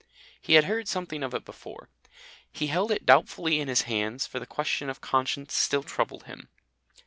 He had heard something of it before. He held it doubtfully in his hands, for the question of conscience still troubled him.